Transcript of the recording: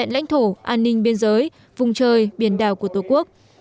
lãnh thổ an ninh biên giới vùng trời biển đảo của tổ quốc